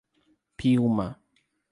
Piúma